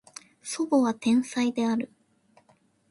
叔母は天才である